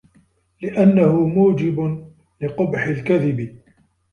لِأَنَّهُ مُوجِبٌ لِقُبْحِ الْكَذِبِ